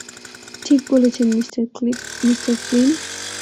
ঠিক বলেছেন, mister Flynn.